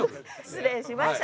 失礼しました。